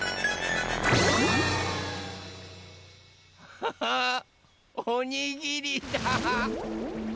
ハハおにぎりだ！